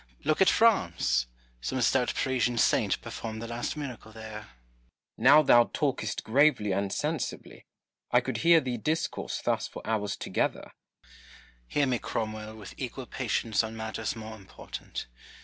Look at France ! some stout Parisian saint performed the last miracle thera Cromwell. Now thou talkest gravely and sensibly : I could hear thee discourse thus for hours together. Noble. Hear me, Cromwell, with equal patience on matters more important.